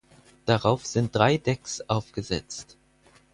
Darauf sind drei Decks aufgesetzt.